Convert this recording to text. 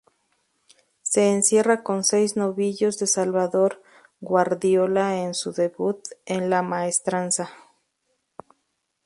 Se encierra con seis novillos de Salvador Guardiola en su debut en la Maestranza.